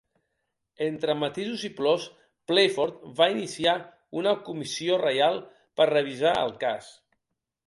Entre matisos i plors, Playford va iniciar una Comissió Reial per revisar el cas.